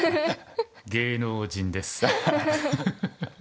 芸能人です。